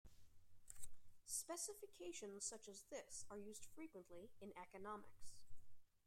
Specifications such as this are used frequently in economics.